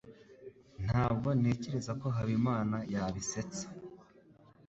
Ntabwo ntekereza ko Habimana yabisetsa.